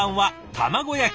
卵焼き。